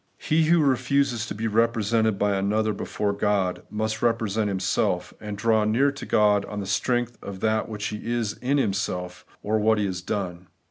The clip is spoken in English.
He who refuses to be represented by another before God, must represent himself, and draw near to God on the strength of what he is in himself, or what he has done.